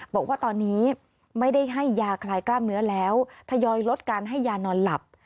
บอกว่าตอนนี้ไม่ได้ให้ยาคลายกล้ามเนื้อแล้วทยอยลดการให้ยานอนหลับ